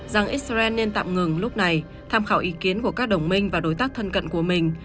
rằng israel nên tạm ngừng lúc này tham khảo ý kiến của các đồng minh và đối tác thân cận của mình